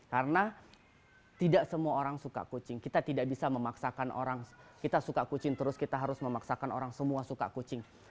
karena tidak semua orang suka kucing kita tidak bisa memaksakan orang kita suka kucing terus kita harus memaksakan orang semua suka kucing